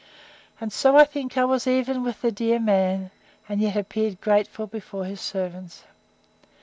—And so I think I was even with the dear man, and yet appeared grateful before his servants.